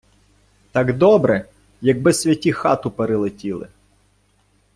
Так добре, якби святі хату перелетіли.